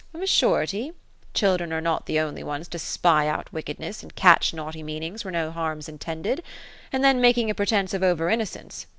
" Of a surety, children are not the only ones to spy out wickedness, and catch naughty meanings, where no harm's intended ; and then mak ing a pretence of over innocence.